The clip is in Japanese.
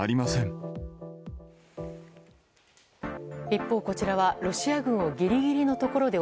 一方、こちらはロシア軍をギリギリのところで